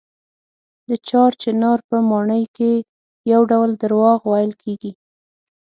د چار چنار په ماڼۍ کې یو ډول درواغ ویل کېږي.